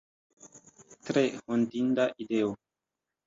Tre hontinda ideo!